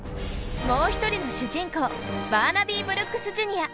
もう一人の主人公バーナビー・ブルックスＪｒ．。